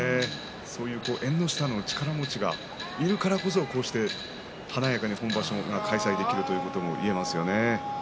そういう縁の下の力持ちがいるからこそこうして華やかに本場所が開催できるということも言えますよね。